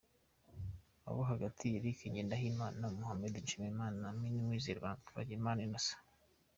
Abo hagati: Eric Ngendahimana, Muhamed Mushimiyimana, Amin Mwizerwa na Twagirimana Innocent.